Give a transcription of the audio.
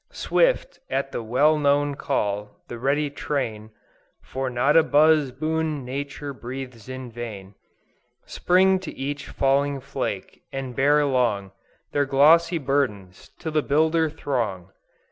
Swift, at the well known call, the ready train, (For not a buz boon Nature breathes in vain,) Spring to each falling flake, and bear along Their glossy burdens to the builder throng.